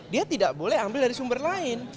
dia tidak boleh ambil dari sumber lain